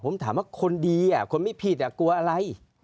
ผมถามว่าคนดีคนไม่ผิดกลัวอะไร